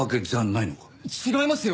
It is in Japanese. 違いますよ！